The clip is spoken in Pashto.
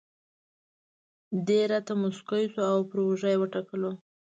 دی راته مسکی شو او پر اوږه یې وټکولم.